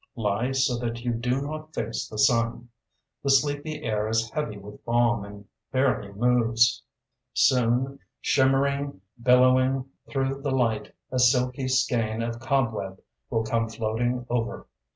Lie so that you do not face the sun. The sleepy air is heavy with balm and barely moves. Soon shimmering, billowing, through the light, a silky skein of cobweb will come floating over.